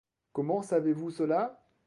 Comment savez-vous cela?